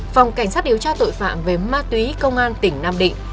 phòng cảnh sát điều tra tội phạm về ma túy công an tỉnh nam định